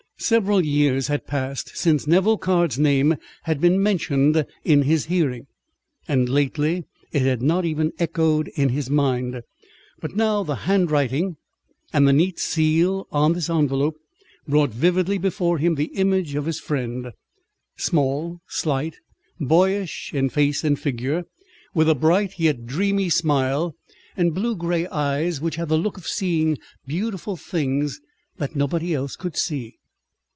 Several years had passed since Nevill Caird's name had been mentioned in his hearing, and lately it had not even echoed in his mind; but now, the handwriting and the neat seal on this envelope brought vividly before him the image of his friend: small, slight, boyish in face and figure, with a bright, yet dreamy smile, and blue grey eyes which had the look of seeing beautiful things that nobody else could see.